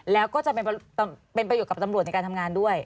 แล้วก็จะเป็นประโยชน์กับตำรวจในการทำงานด้วย